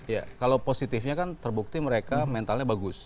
ya kalau positifnya kan terbukti mereka mentalnya bagus